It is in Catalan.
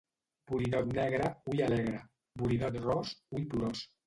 Borinot negre, ull alegre; borinot ros, ull plorós.